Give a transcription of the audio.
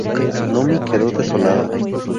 Nomi quedó desolada.